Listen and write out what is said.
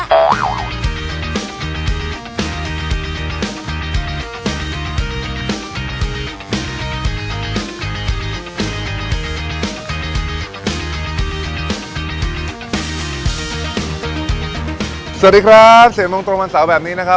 สวัสดีครับ๔โมงตรงวันเสาร์แบบนี้นะครับ